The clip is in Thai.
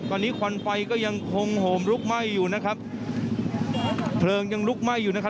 ตอนนี้ควันไฟก็ยังคงโหมลุกไหม้อยู่นะครับเพลิงยังลุกไหม้อยู่นะครับ